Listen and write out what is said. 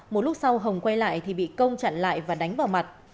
một lúc sau hồng quay lại thì bị công chặn lại và đánh vào mặt